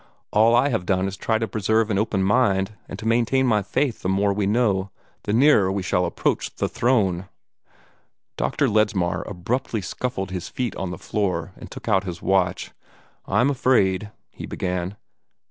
"All I have done is to try to preserve an open mind, and to maintain my faith that the more we know, the nearer we shall approach the Throne." Dr. Ledsmar abruptly scuffled his feet on the floor, and took out his watch. "I'm afraid " he began.